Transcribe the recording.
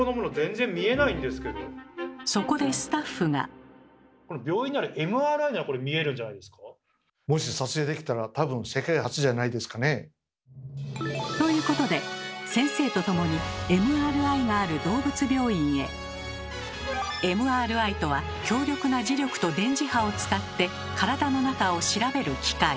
そこでスタッフが。ということで先生と共にＭＲＩとは強力な磁力と電磁波を使って体の中を調べる機械。